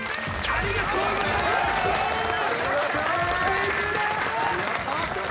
ありがとうございます！